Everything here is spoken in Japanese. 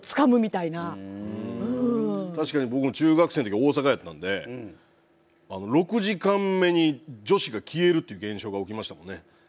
確かに僕も中学生ん時大阪やったんであの６時間目に女子が消えるって現象が起きましたもんね。